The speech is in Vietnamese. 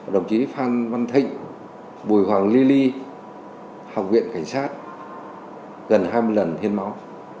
đồng chí phan văn thịnh bùi hoàng ly ly ly học viện cảnh sát gần hai mươi lần hiến máu